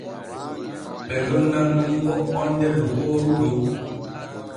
Ɓe lonnan nun bo onde lokooru ɗon.